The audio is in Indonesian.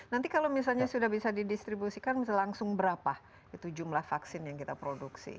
nanti kalau misalnya sudah bisa didistribusikan bisa langsung berapa itu jumlah vaksin yang kita produksi